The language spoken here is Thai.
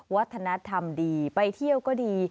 วัฒนธรรมดีไปเที่ยวก็ดี